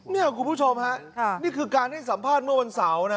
นี่คุณผู้ชมฮะนี่คือการให้สัมภาษณ์เมื่อวันเสาร์นะ